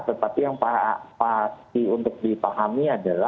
tetapi yang pasti untuk dipahami adalah